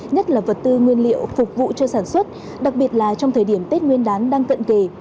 nhất là vật tư nguyên liệu phục vụ cho sản xuất đặc biệt là trong thời điểm tết nguyên đán đang cận kề